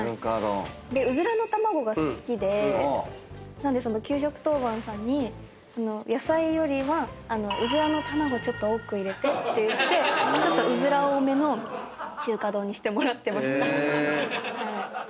なんで給食当番さんに野菜よりはうずらの卵ちょっと多く入れてって言ってちょっとうずら多めの中華丼にしてもらってました。